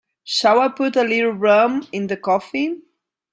Shall I put a little rum in the coffee?